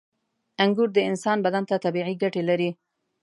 • انګور د انسان بدن ته طبیعي ګټې لري.